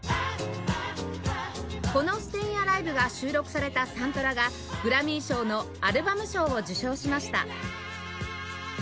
この『ステイン・アライヴ』が収録されたサントラがグラミー賞のアルバム賞を受賞しました